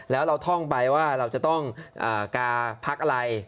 แล้วเราท่องไปว่าเราจะต้องกาพักอะไร